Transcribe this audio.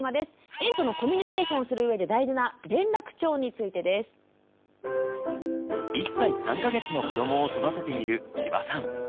園とのコミュニケーションをする上で大事な「連絡帳」についてです。１歳３か月の子どもを育てている千葉さん。